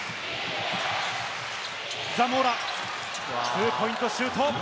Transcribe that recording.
ザモーラ、ツーポイントシュート。